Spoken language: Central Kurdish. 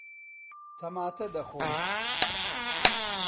تەماتە دەخۆم.